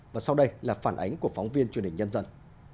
và sau đây là phản ánh của phóng viên truyền hình nhân dân